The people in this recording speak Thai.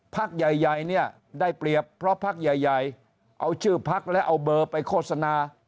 พักใหญ่เนี่ยได้เปรียบเพราะพักใหญ่เอาชื่อพักและเอาเบอร์ไปโฆษณา